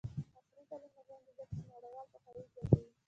عصري تعلیم مهم دی ځکه چې نړیوال پوهاوی زیاتوي.